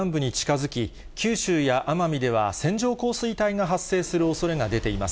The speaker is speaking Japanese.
台風６号は九州南部に近づき、九州や奄美では線状降水帯が発生するおそれが出ています。